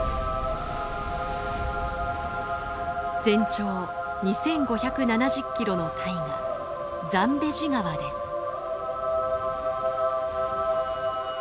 全長２，５７０キロの大河ザンベジ川です。